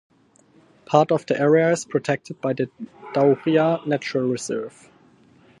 Part of the area is protected by the Dauria Nature Reserve.